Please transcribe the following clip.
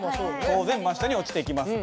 当然真下に落ちてきます。